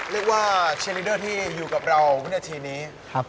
เรียกว่าเชียร์ลีดเตอร์ที่อยู่กับเราคือทีนี้